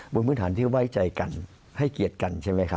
บนพื้นฐานที่ไว้ใจกันให้เกียรติกันใช่ไหมครับ